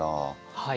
はい。